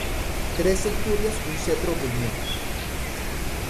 Tres centurias un cetro oprimió,